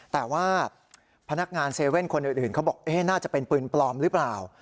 แต่ว่าพนักงาน๗๑๑คนอื่นเขาบอกน่าจะเป็นปืนปลอมหรือเปล่า